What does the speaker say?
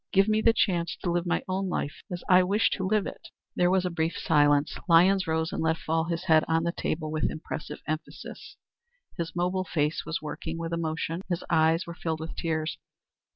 Give me the chance to live my own life as I wish to live it." There was a brief silence. Lyons rose and let fall his hand on the table with impressive emphasis. His mobile face was working with emotion; his eyes were filled with tears.